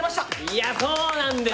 いやそうなんです